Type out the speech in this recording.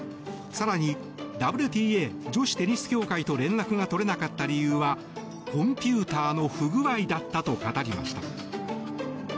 更に、ＷＴＡ・女子テニス協会と連絡が取れなかった理由はコンピューターの不具合だったと語りました。